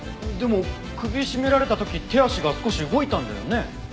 でも首絞められた時手足が少し動いたんだよね？